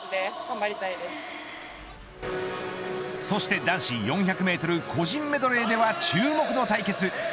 そして男子４００メートル個人メドレーでは注目の対決